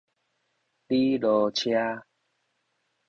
李哪吒